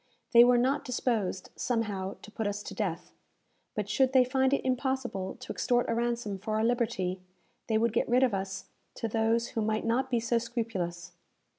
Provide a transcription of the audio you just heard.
They were not disposed, somehow, to put us to death; but should they find it impossible to extort a ransom for our liberty, they would get rid of us to those who might not be so scrupulous.